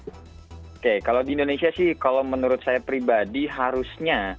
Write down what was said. oke kalau di indonesia sih kalau menurut saya pribadi harusnya